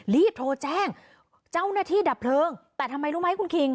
รีบโทรแจ้งเจ้าหน้าที่ดับเพลิงแต่ทำไมรู้ไหมคุณคิง